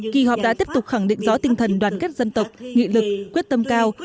kỳ họp đã tiếp tục khẳng định rõ tinh thần đoàn kết dân tộc nghị lực quyết tâm cao